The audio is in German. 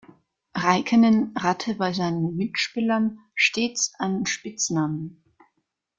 Heikkinen hatte bei seinen Mitspielern stets einen Spitznamen.